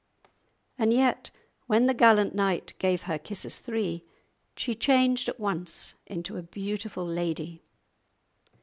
And yet, when the gallant knight gave her "kisses three," she changed at once into a beautiful lady!